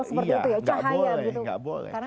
seperti itu ya cahaya gitu nggak boleh karena